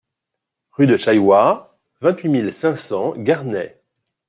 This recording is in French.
Rue de Chailloy, vingt-huit mille cinq cents Garnay